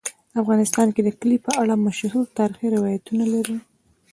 افغانستان د کلي په اړه مشهور تاریخی روایتونه لري.